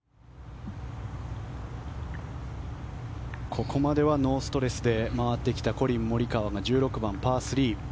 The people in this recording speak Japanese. ここまではノーストレスで回ってきたコリン・モリカワが１６番、パー３。